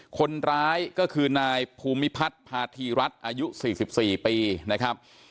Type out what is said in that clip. คนร้ายก็คือนายภูมิพัฒน์พาธีรัฐอายุ๔๔ปีนะครับ